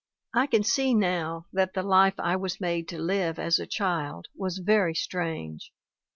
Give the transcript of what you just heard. I can see now that the life I was made to live as a child was very strange.